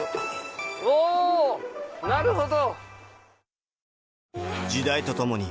うおなるほど。